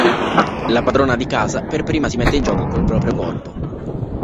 La padrona di casa per prima si mette in gioco col proprio corpo.